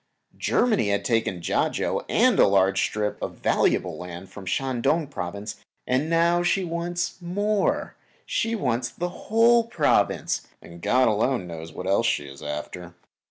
Germany had taken Kiachau and a large strip of valuable land from the Shan Tung Province, and now she wants more; she wants that whole Province, and God alone knows what else she is after.